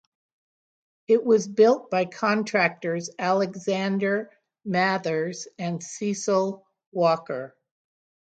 It was built by contractors Alexander Mathers and Cecil Walker.